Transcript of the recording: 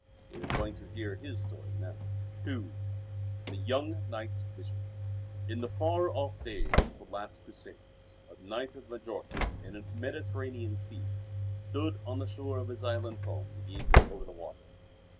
We are going to hear his story now. II The Young Knight's Vision In the far off days of the last of the Crusades, a knight of Majorca, in the Mediterranean Sea, stood on the shore of his island home gazing over the water.